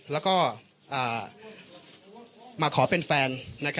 แล้วก็มาขอเป็นแฟน